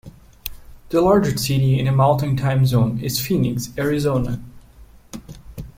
The largest city in the Mountain Time Zone is Phoenix, Arizona.